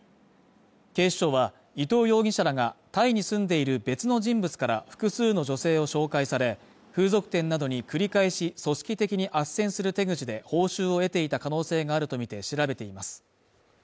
警視庁はイトウ容疑者らがタイに住んでいる別の人物から複数の女性を紹介され、風俗店などに繰り返し組織的に斡旋する手口で報酬を得ていた可能性があるとみて調べています。